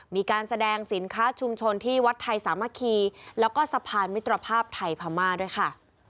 มีการแสดงสินค้าชุมชนที่วัดไทยสามัคคีแล้วก็สะพานมิตรภาพไทยพม่าด้วยค่ะ